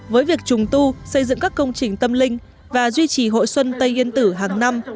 với việc trùng tu xây dựng các công trình tâm linh và duy trì hội xuân tây yên tử hàng năm